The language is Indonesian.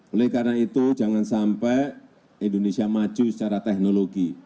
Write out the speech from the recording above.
oleh karena itu jangan sampai indonesia maju secara teknologi